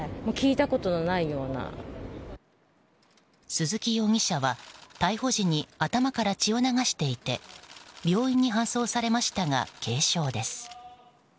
鈴木容疑者は逮捕時に頭から血を流していて病院に搬送されましたが軽傷です。